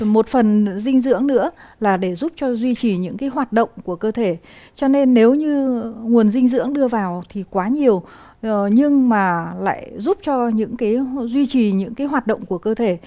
một phần dinh dưỡng nữa là để giúp cho duy trì những hoạt động của cơ thể cho nên nếu như nguồn dinh dưỡng đưa vào thì quá nhiều nhưng mà lại giúp cho những cái duy trì những hoạt động của cơ thể